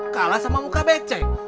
kalah sama muka becek